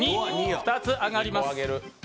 ２つ上がります。